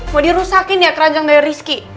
mau dirusakin ya keragang dari rizky